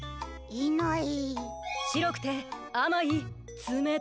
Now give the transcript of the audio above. いない。